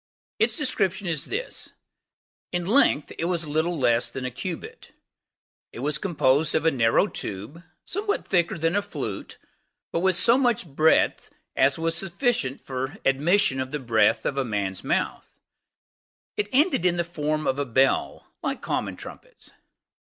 Its description is this:In length it was little less than a cubit. It was composed of a narrow tube, somewhat thicker than a flute, but with so much breadth as was sufficient for admission of the breath of a man's mouth: it ended in the form of a bell, like common trumpets.